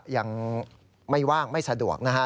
ยังไม่ว่างไม่สะดวกนะฮะ